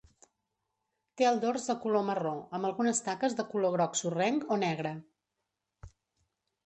Té el dors de color marró, amb algunes taques de color groc sorrenc o negre.